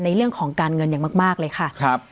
ในเรื่องของการเงินอย่างมากเลยค่ะ